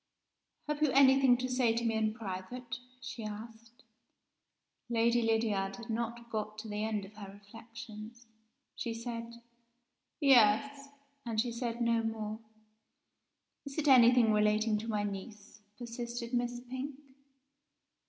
"Have you anything to say to me in private?" she asked. Lady Lydiard had not got to the end of her reflections. She said "Yes!" and she said no more. "Is it anything relating to my niece?" persisted Miss Pink.